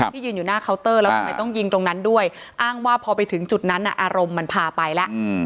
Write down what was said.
ที่ยืนอยู่หน้าเคาน์เตอร์แล้วทำไมต้องยิงตรงนั้นด้วยอ้างว่าพอไปถึงจุดนั้นอารมณ์มันพาไปแล้ว